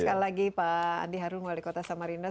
sekali lagi pak andi harung wali kota samarinda